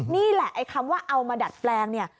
นี่แหละคำว่าเอามาดัดแปลง